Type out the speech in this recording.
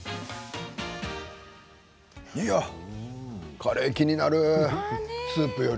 カレーが気になるスープより。